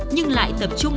nhưng lại tập trung